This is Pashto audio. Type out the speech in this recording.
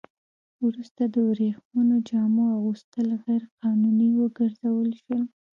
وروسته د ورېښمينو جامو اغوستل غیر قانوني وګرځول شول.